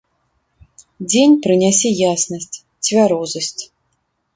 Дзень прынясе яснасць, цвярозасць.